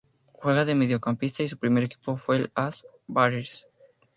Juega de mediocampista y su primer equipo fue el A. S. Varese.